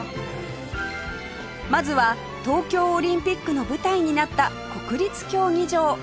まずは東京オリンピックの舞台になった国立競技場